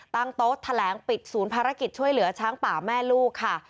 ตั้งโต๊ะแถลงปิดศูนย์ภารกิจช่วยเหลือช้างป่าแม่ลูกค่ะ